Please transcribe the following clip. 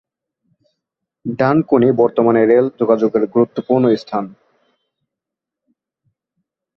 ডানকুনি বর্তমানে রেল যোগাযোগের গুরুত্ব পূর্ন স্থান।